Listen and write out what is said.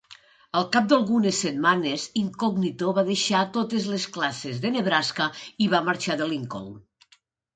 Al cap d'algunes setmanes, Incognito va deixar totes les classes de Nebraska i va marxar de Lincoln.